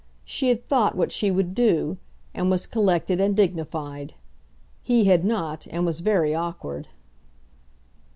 She had thought what she would do, and was collected and dignified. He had not, and was very awkward.